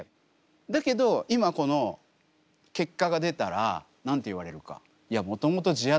だけど今この結果が出たら何て言われるか？